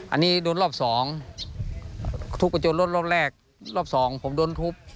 อันนี้โดนรอบสองทุบไปจนรถรอบแรกรอบสองผมโดนทุบ